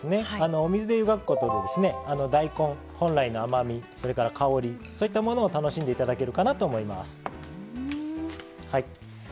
お水で湯がくことで大根本来の甘みそれから香りそういったものを楽しんで頂けるかなと思います。